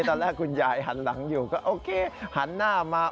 ตอนแรกคุณยายหันหลังอยู่ก็โอเคหันหน้ามา